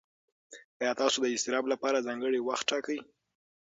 ایا تاسو د اضطراب لپاره ځانګړی وخت ټاکئ؟